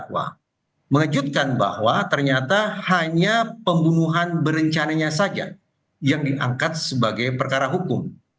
wah mengejutkan bahwa ternyata hanya pembunuhan berencananya saja yang diangkat sebagai perkara hukum